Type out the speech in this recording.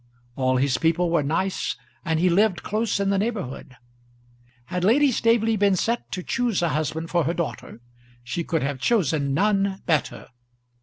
All his people were nice, and he lived close in the neighbourhood! Had Lady Staveley been set to choose a husband for her daughter she could have chosen none better.